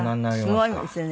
すごいですよね。